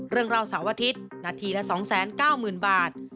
เรื่องราวเสาร์อาทิตย์นาทีละ๒๙๐๐๐บาท